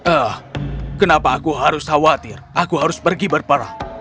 eh kenapa aku harus khawatir aku harus pergi berperang